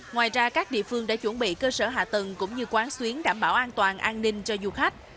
ngoài ra các địa phương đã chuẩn bị cơ sở hạ tầng cũng như quán xuyến đảm bảo an toàn an ninh cho du khách